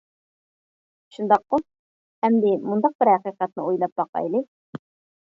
شۇنداققۇ؟ ئەمدى مۇنداق بىر ھەقىقەتنى ئويلاپ باقايلى!